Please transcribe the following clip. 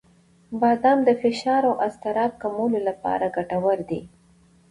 • بادام د فشار او اضطراب کمولو لپاره ګټور دي.